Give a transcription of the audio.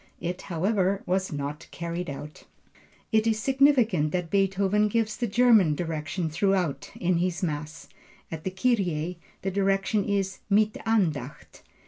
It, however, was not carried out. It is significant that Beethoven gives the German direction throughout in this Mass. At the Kyrie the direction is Mit Andacht.